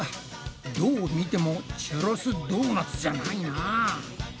どう見てもチュロスドーナツじゃないな。